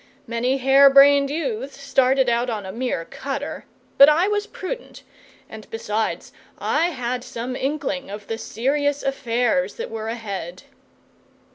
Many hairbrained youths started out on a mere cutter; but I was prudent, and besides I had some inkling of the serious affairs that were ahead.